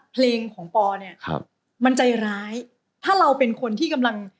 เพลงของปอเนี่ยครับมันใจร้ายถ้าเราเป็นคนที่กำลัง